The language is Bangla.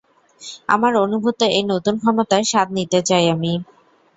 আমার অনুভূত এই নতুন ক্ষমতার স্বাদ নিতে চাই আমি।